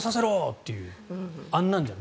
ってあんなんじゃない。